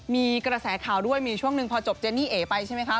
มีกระแสข่าวด้วยมีช่วงหนึ่งพอจบเจนี่เอ๋ไปใช่ไหมคะ